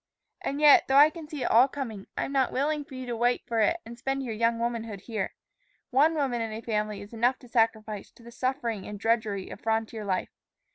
"And yet, though I can see it all coming, I am not willing for you to wait for it and spend your young womanhood here. One woman in a family is enough to sacrifice to the suffering and drudgery of frontier life.